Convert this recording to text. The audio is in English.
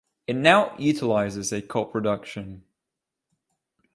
It now utilizes a co-production.